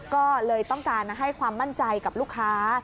ก็เลยต้องการให้ความมั่นใจกับลูกค้า